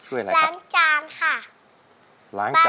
แล้วน้องใบบัวร้องได้หรือว่าร้องผิดครับ